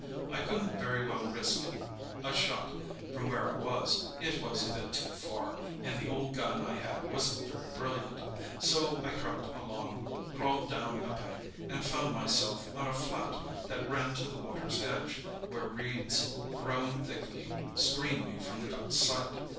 I couldn't very well risk a shot from where I was, it was a bit too far, and the old gun I had wasn't very brilliant. So I crept along, crawled down a bank, and found myself on a flat that ran to the water's edge, where reeds, growing thickly, screened me from the ducks' sight.